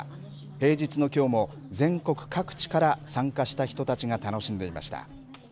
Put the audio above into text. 平日のきょうも全国各地から参加した人たちが楽しみました。